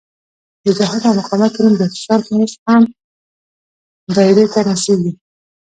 د جهاد او مقاومت په نوم جاسوسان اوس هم دایرې ته نڅېږي.